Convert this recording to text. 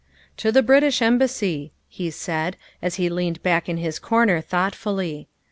" To the British Embassy," he said as he leaned back in his corner thoughtfully.